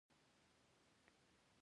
ایا بخښنه کوئ؟